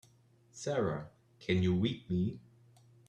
Sara can you read me?